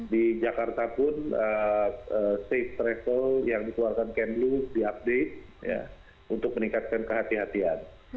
di jakarta pun safe travel yang dikeluarkan kemlu diupdate untuk meningkatkan kehatian